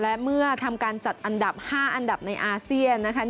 และเมื่อทำการจัดอันดับ๕อันดับในอาเซียนนะคะ